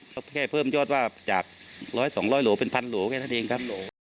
ก็แค่เพิ่มยอดว่าจากร้อยสองร้อยหลูผ่านพันโหลแค่นั้นเองครับ